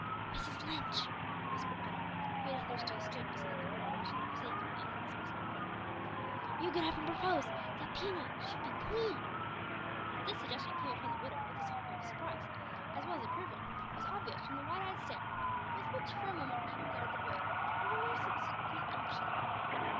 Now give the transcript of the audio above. "Mrs Lynch," whispered Otto, who had hitherto stood beside the widow watching the proceedings with inexpressible glee, "you get up an' propose that Pina should be queen!" That this suggestion came upon the widow with a shock of surprise, as well as approval, was obvious from the wide eyed stare, with which for a moment she regarded the boy, and from her subsequent action.